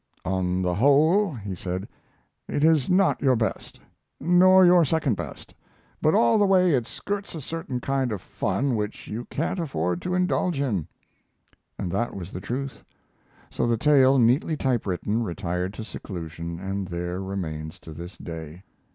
"On the whole," he said, "it is not your best, nor your second best; but all the way it skirts a certain kind of fun which you can't afford to indulge in." And that was the truth. So the tale, neatly typewritten, retired to seclusion, and there remains to this day.